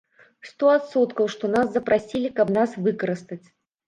Сто адсоткаў, што нас запрасілі, каб нас выкарыстаць.